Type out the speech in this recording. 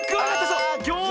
そう。